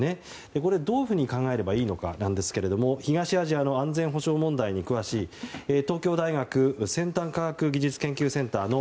これはどういうふうに考えればいいのかですが東アジアの安全保障問題に詳しい東京大学先端科学技術研究センターの